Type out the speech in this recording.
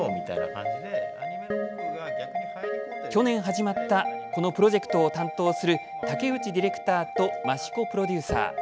去年始まったこのプロジェクトを担当する竹内ディレクターと増子プロデューサー。